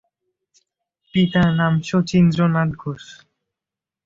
পিতার নাম শচীন্দ্রনাথ ঘোষ।